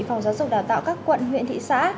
phòng giáo dục đào tạo các quận huyện thị xã